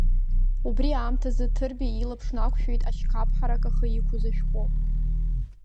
Убри аамҭазы Ҭырбеи илаԥш нақәшәеит ашькаԥ ҳарак ахы иқәыз ашәҟәы…